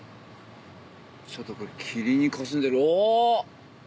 ちょっとこれ霧にかすんでるお！